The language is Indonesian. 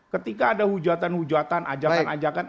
ketika ada hujatan hujatan ajakan ajakan